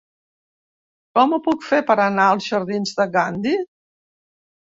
Com ho puc fer per anar als jardins de Gandhi?